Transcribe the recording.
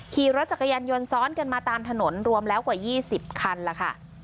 ขี่รถจักรยานยนต์ซ้อนกันมาตามถนนรวมแล้วกว่า๒๐คันล่ะค่ะ